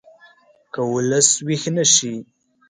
که ولس ویښ نه شي